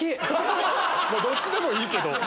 どっちでもいいけど。